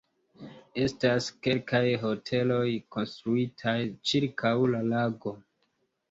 Estas kelkaj hoteloj konstruitaj ĉirkaŭ la lago.